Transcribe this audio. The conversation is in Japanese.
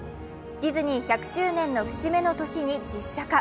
ディズニー１００周年の節目の年に実写化。